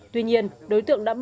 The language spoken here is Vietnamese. tuy nhiên đối tượng đã bị bắt